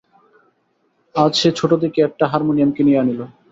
আজ সে ছোটো দেখিয়া একটা হারমোনিয়ম কিনিয়া আনিল।